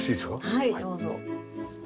はいどうぞ。